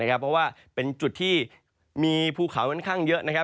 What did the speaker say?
เพราะว่าเป็นจุดที่มีภูเขาค่อนข้างเยอะนะครับ